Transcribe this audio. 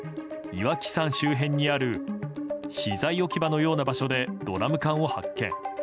岩木山周辺にある資材置き場のような場所でドラム缶を発見。